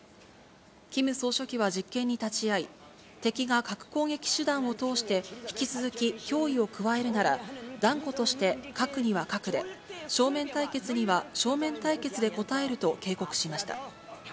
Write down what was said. キム総書記は実験に立ち会い、敵が核攻撃手段を通して引き続き脅威を加えるなら、断固として核には核で、正面対決には正面対決で応えると警告しました。